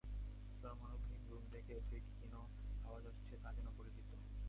জনমানবহীন ভূমি থেকে যে ক্ষীণ আওয়াজ আসছে তা যেন পরিচিত।